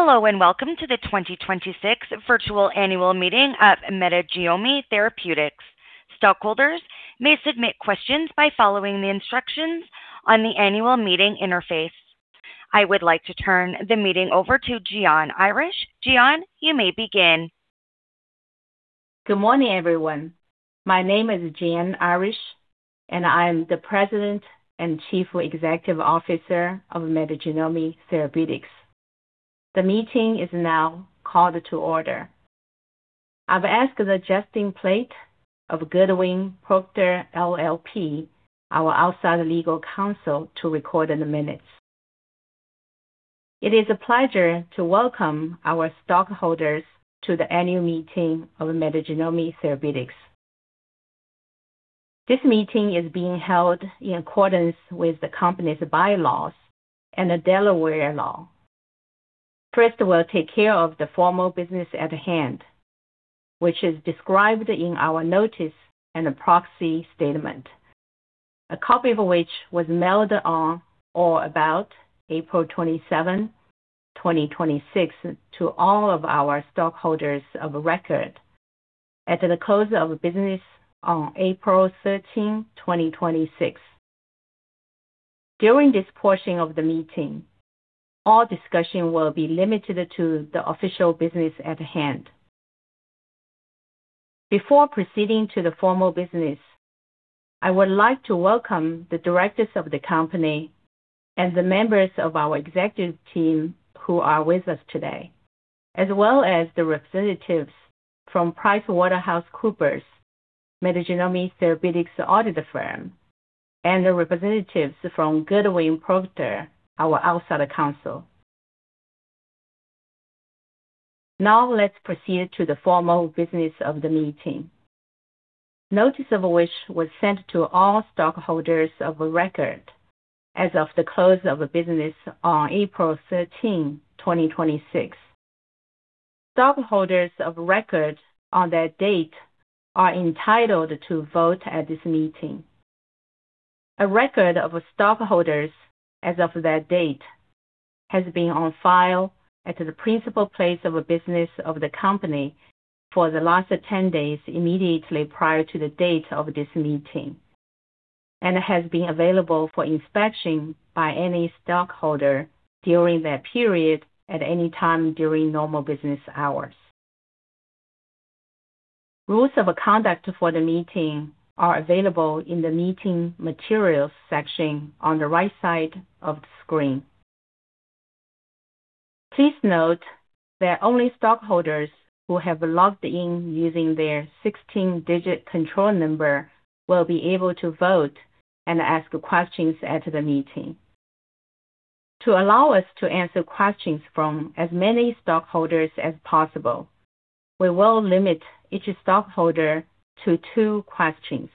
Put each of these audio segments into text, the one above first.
Hello and welcome to the 2026 virtual annual meeting of Metagenomi Therapeutics. Stockholders may submit questions by following the instructions on the annual meeting interface. I would like to turn the meeting over to Jian Irish. Jian, you may begin. Good morning, everyone. My name is Jian Irish, I am the President and Chief Executive Officer of Metagenomi Therapeutics. The meeting is now called to order. I've asked a designate of Goodwin Procter LLP, our outside Legal Counsel, to record the minutes. It is a pleasure to welcome our stockholders to the annual meeting of Metagenomi Therapeutics. This meeting is being held in accordance with the company's bylaws and the Delaware law. First, we'll take care of the formal business at hand, which is described in our notice and the proxy statement, a copy of which was mailed on or about April 27, 2026, to all of our stockholders of record at the close of business on April 13, 2026. During this portion of the meeting, all discussion will be limited to the official business at hand. Before proceeding to the formal business, I would like to welcome the Directors of the company and the members of our Executive team who are with us today, as well as the representatives from PricewaterhouseCoopers, Metagenomi Therapeutics' audit firm, and the representatives from Goodwin Procter, our outside counsel. Now let's proceed to the formal business of the meeting, notice of which was sent to all stockholders of record as of the close of business on April 13, 2026. Stockholders of record on that date are entitled to vote at this meeting. A record of stockholders as of that date has been on file at the principal place of business of the company for the last 10 days immediately prior to the date of this meeting, and has been available for inspection by any stockholder during that period at any time during normal business hours. Rules of conduct for the meeting are available in the Meeting Materials section on the right side of the screen. Please note that only stockholders who have logged in using their 16-digit control number will be able to vote and ask questions at the meeting. To allow us to answer questions from as many stockholders as possible, we will limit each stockholder to two questions.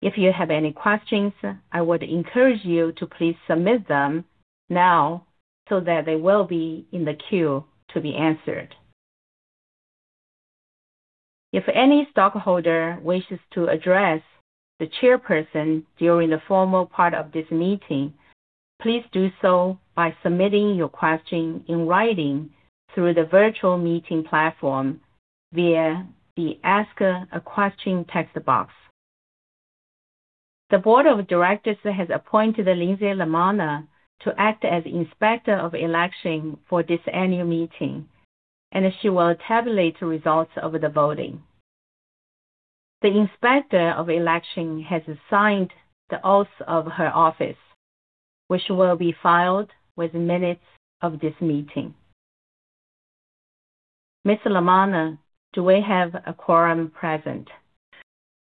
If you have any questions, I would encourage you to please submit them now so that they will be in the queue to be answered. If any stockholder wishes to address the Chairperson during the formal part of this meeting, please do so by submitting your question in writing through the virtual meeting platform via the Ask a Question text box. The Board of Directors has appointed Lindsay Lamanna to act as Inspector of Election for this annual meeting, and she will tabulate the results of the voting. The Inspector of Election has signed the oaths of her office, which will be filed with the minutes of this meeting. Ms. Lamanna, do we have a quorum present?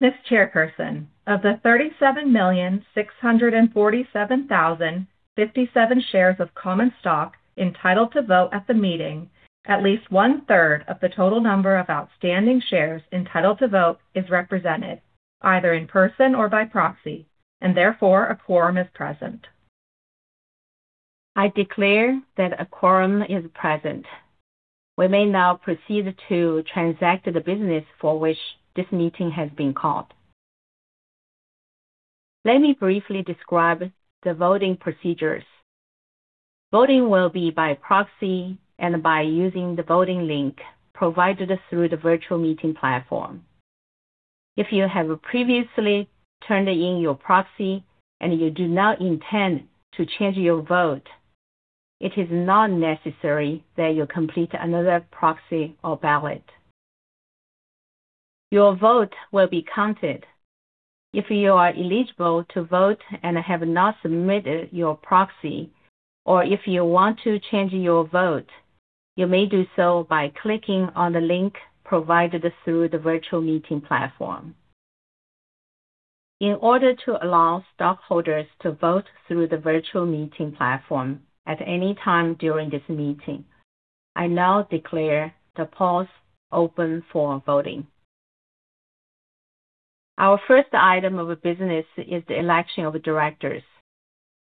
Yes, Chairperson. Of the 37,647,057 shares of common stock entitled to vote at the meeting, at least 1/3 of the total number of outstanding shares entitled to vote is represented, either in-person or by proxy, and therefore, a quorum is present. I declare that a quorum is present. We may now proceed to transact the business for which this meeting has been called. Let me briefly describe the voting procedures. Voting will be by proxy and by using the voting link provided through the virtual meeting platform. If you have previously turned in your proxy and you do not intend to change your vote, it is not necessary that you complete another proxy or ballot. Your vote will be counted. If you are eligible to vote and have not submitted your proxy, or if you want to change your vote, you may do so by clicking on the link provided through the virtual meeting platform. In order to allow stockholders to vote through the virtual meeting platform at any time during this meeting, I now declare the polls open for voting. Our first item of business is the election of Directors.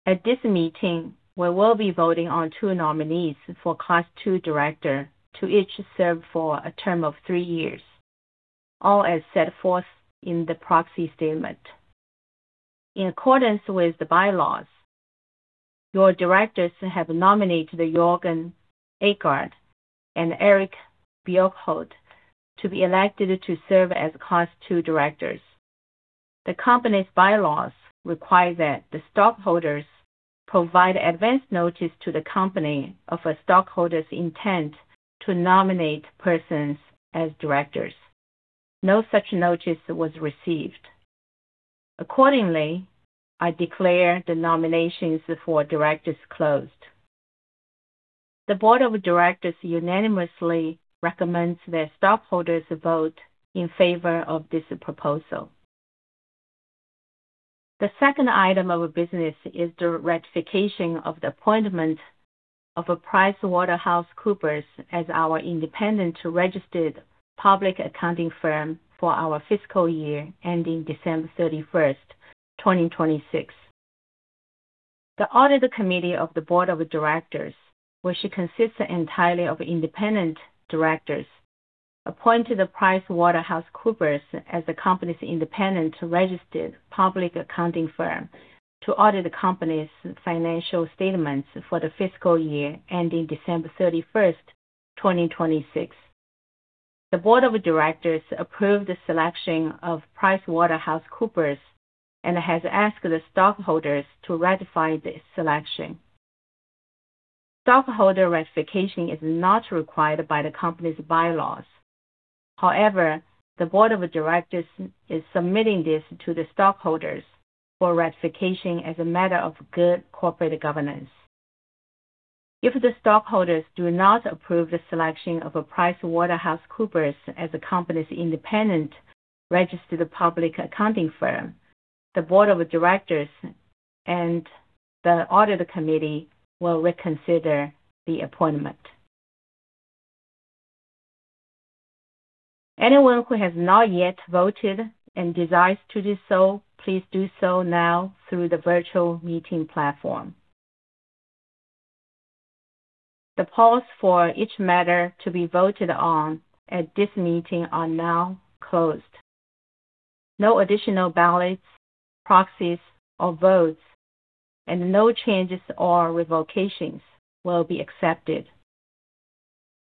At this meeting, we will be voting on two nominees for Class II Director to each serve for a term of three years, all as set forth in the proxy statement. In accordance with the bylaws, your Directors have nominated Juergen Eckhardt and Eric Bjerkholt to be elected to serve as Class II Directors. The company's bylaws require that the stockholders provide advance notice to the company of a stockholder's intent to nominate persons as directors. No such notice was received. Accordingly, I declare the nominations for Directors closed. The Board of Directors unanimously recommends that stockholders vote in favor of this proposal. The second item of business is the ratification of the appointment of PricewaterhouseCoopers as our independent registered public accounting firm for our fiscal year ending December 31st, 2026. The Audit Committee of the Board of Directors, which consists entirely of independent Directors, appointed PricewaterhouseCoopers as the company's independent registered public accounting firm to audit the company's financial statements for the fiscal year ending December 31st, 2026. The Board of Directors approved the selection of PricewaterhouseCoopers and has asked the stockholders to ratify this selection. Stockholder ratification is not required by the company's bylaws. The Board of Directors is submitting this to the stockholders for ratification as a matter of good corporate governance. If the stockholders do not approve the selection of PricewaterhouseCoopers as the company's independent registered public accounting firm, the Board of Directors and the Audit Committee will reconsider the appointment. Anyone who has not yet voted and desires to do so, please do so now through the virtual meeting platform. The polls for each matter to be voted on at this meeting are now closed. No additional ballots, proxies or votes, no changes or revocations will be accepted.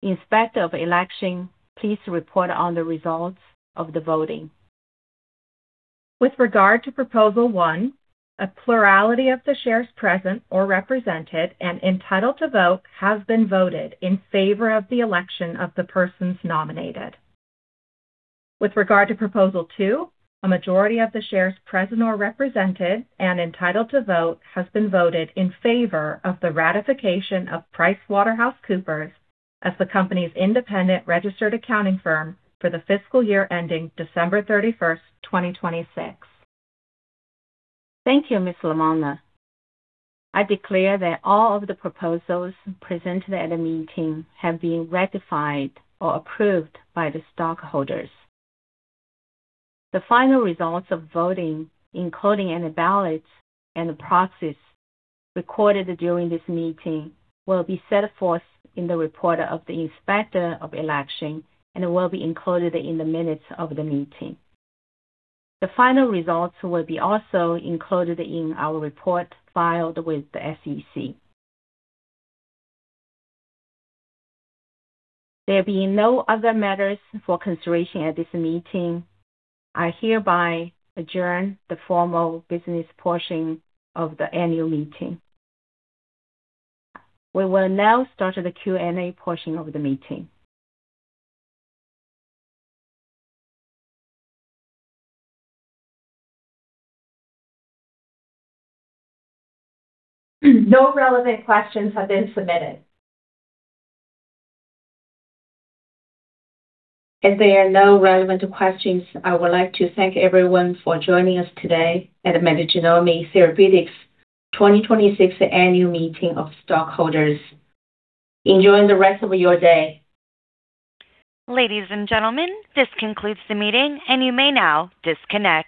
Inspector of Election, please report on the results of the voting. With regard to Proposal One, a plurality of the shares present or represented and entitled to vote have been voted in favor of the election of the persons nominated. With regard to Proposal Two, a majority of the shares present or represented and entitled to vote has been voted in favor of the ratification of PricewaterhouseCoopers as the company's independent registered accounting firm for the fiscal year ending December 31st, 2026. Thank you, Ms. Lamanna. I declare that all of the proposals presented at the meeting have been ratified or approved by the stockholders. The final results of voting, including any ballots and proxies recorded during this meeting, wiill be set forth in the report of the Inspector of Election and will be included in the minutes of the meeting. The final results will be also included in our report filed with the SEC. There being no other matters for consideration at this meeting, I hereby adjourn the formal business portion of the annual meeting. We will now start the Q&A portion of the meeting. No relevant questions have been submitted. There are no relevant questions, I would like to thank everyone for joining us today at Metagenomi Therapeutics 2026 Annual Meeting of Stockholders. Enjoy the rest of your day. Ladies and gentlemen, this concludes the meeting, and you may now disconnect.